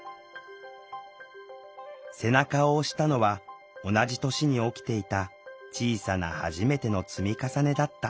背中を押したのは同じ年に起きていた小さな「はじめて」の積み重ねだった。